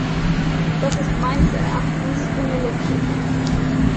Das ist meines Erachtens unerlässlich.